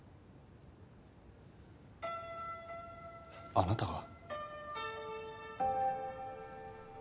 あなたが。